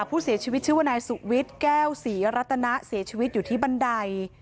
ผู้เสียชีวิตชื่อว่านายสุวิทย์แก้วศรีรัตนะเสียชีวิตอยู่ที่บันได